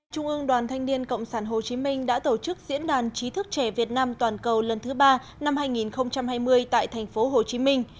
trung ương đoàn thanh niên cộng sản hồ chí minh đã tổ chức diễn đàn chí thức trẻ việt nam toàn cầu lần thứ ba năm hai nghìn hai mươi tại thành phố hồ chí minh